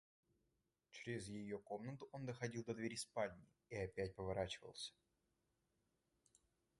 Чрез ее комнату он доходил до двери спальни и опять поворачивался.